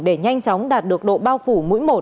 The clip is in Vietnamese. để nhanh chóng đạt được độ bao phủ mũi một